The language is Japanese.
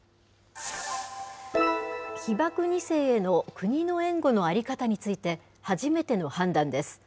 被爆２世への国の援護の在り方について初めての判断です。